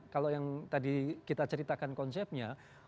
kalau yang tadi kita ceritakan konsepnya